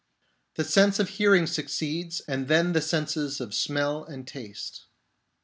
The sense of hearing succeeds, and then the senses of smell and taste.